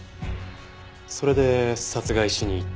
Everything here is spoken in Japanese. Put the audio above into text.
それで殺害しに行った。